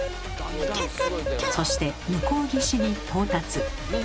そして向こう岸に到達。